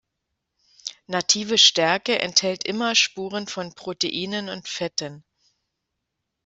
Native Stärke enthält immer Spuren von Proteinen und Fetten.